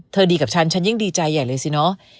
ดีกับฉันฉันยิ่งดีใจใหญ่เลยสิเนอะ